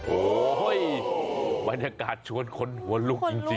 โอ้โหบรรยากาศชวนคนหัวลุกจริง